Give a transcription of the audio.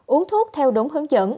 uống thuốc theo đúng hướng